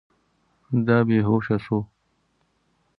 دا بې هوشه سو.